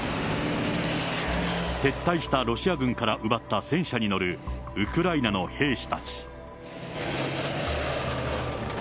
撤退したロシア軍から奪った戦車に乗るウクライナの兵士たち。